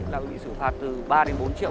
là bị xử phạt từ ba đến bốn triệu